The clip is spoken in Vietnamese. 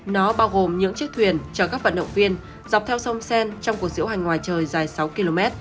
nó bao gồm những chiếc thuyền chờ các vận động viên dọc theo sông sen trong cuộc diễu hành ngoài trời dài sáu km